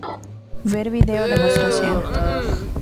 Ver vídeo demostración.